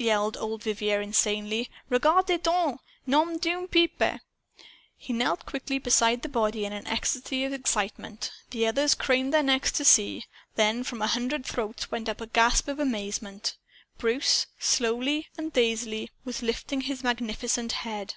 yelled old Vivier, insanely. "Regarde donc! Nom d'une pipe!" He knelt quickly beside the body, in an ecstasy of excitement. The others craned their necks to see. Then from a hundred throats went up a gasp of amazement. Bruce, slowly and dazedly, was lifting his magnificent head!